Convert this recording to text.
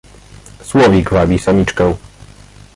"„Słowik wabi samiczkę!"